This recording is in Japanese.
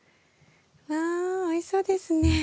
わおいしそうですね。